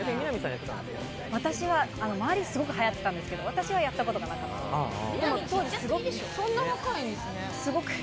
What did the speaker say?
周り、すごく流行ってたんですけど、私はやったことないです。